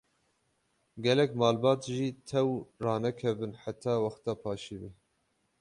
Gelek malbat jî tew ranakevin heta wexta paşîvê.